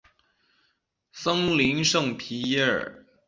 森林圣皮耶尔。